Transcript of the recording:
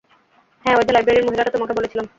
হ্যাঁ, ঐ যে লাইব্রেরীর মহিলাটা, তোমাকে বলেছিলাম।